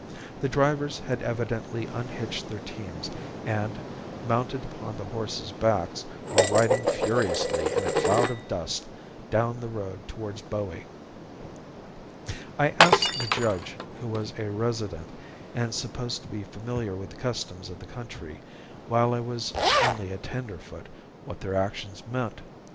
The drivers had evidently unhitched their teams and, mounted upon the horses' backs, were riding furiously in a cloud of dust down the road towards Bowie. I asked the judge, who was a resident and supposed to be familiar with the customs of the country while I was only a tenderfoot, what their actions meant.